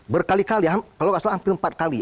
berkali kali kalau tidak salah hampir empat kali